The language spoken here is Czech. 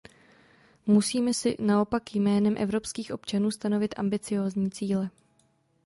Musíme si naopak jménem evropských občanů stanovit ambiciózní cíle.